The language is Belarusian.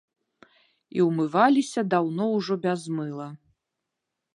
І ўмываліся даўно ўжо без мыла.